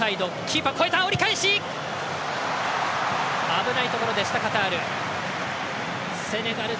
危ないところでした、カタール。